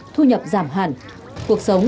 thu nhập giảm hẳn cuộc sống